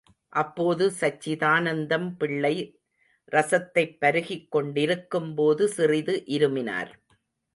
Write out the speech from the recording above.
அப்போது, சச்சிதானந்தம் பிள்ளை ரசத்தைப் பருகிக் கொண்டிருக்கும்போது சிறிது இருமினார்.